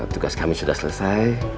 tugas kami sudah selesai